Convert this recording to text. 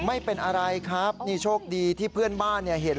ไม่เป็นอะไรครับนี่โชคดีที่เพื่อนบ้านเนี่ยเห็น